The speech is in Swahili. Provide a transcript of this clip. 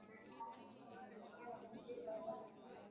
ambaye anachukuwa nafasi hiyo baada ya kumpiga mweleka wa kishindo